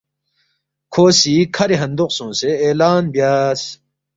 کھو سی کَھری ہندوق سونگسے اعلان بیاس،